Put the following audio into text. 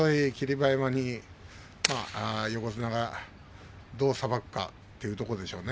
馬山を横綱がどうさばくかというところでしょうね。